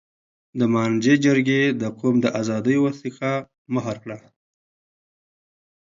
د مانجې جرګې د قوم د آزادۍ وثیقه مهر کړه.